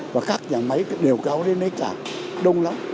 và các nhà máy đều kéo đến đấy cả đông lắm